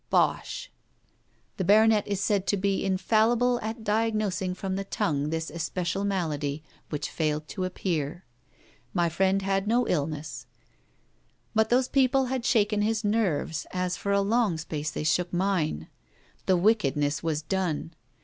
'Bosh!' The baronet is said to be infallible at 'diagnosing' from the tongue this especial malady, which failed to appear. My friend had no illness. But those people had shaken his nerves, as for a long space they shook mine. The wickedness was done.